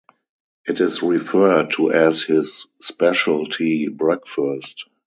It is referred to as his specialty breakfast.